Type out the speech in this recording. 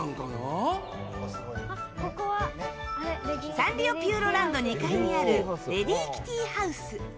サンリオピューロランド２階にあるレディキティハウス。